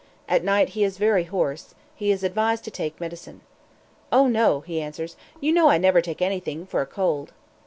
At night he is very hoarse; he is advised to take medicine. "Oh, no," he answers, "you know I never take anything for a cold."